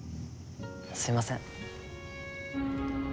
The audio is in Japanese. すいません。